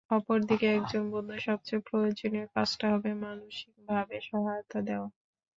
অপর দিকে একজন বন্ধুর সবচেয়ে প্রয়োজনীয় কাজটা হবে মানসিকভাবে সহায়তা দেওয়া।